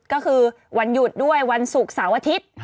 ก็คือวันหยุดด้วยวันศุกร์เสาร์อาทิตย์